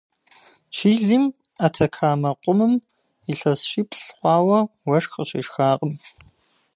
Чилим, Атакамэ къумым, илъэс щиплӏ хъуауэ уэшх къыщешхакъым.